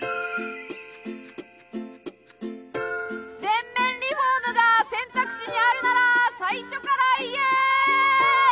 全面リフォームが選択肢にあるなら最初から言え！